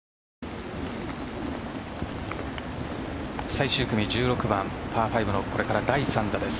最終組１６番パー５のこれから第３打です。